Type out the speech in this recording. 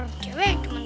oke deh aduh